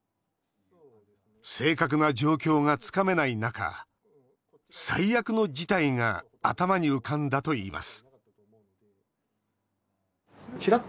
正確な状況がつかめない中最悪の事態が頭に浮かんだといいます